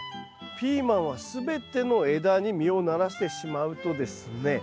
ピーマンは全ての枝に実をならせてしまうとですね